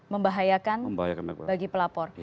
membahayakan bagi pelapor